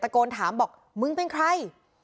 โกนถามบอกมึงเป็นใคร